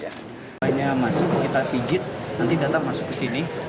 kita masuk kita pijit nanti data masuk ke sini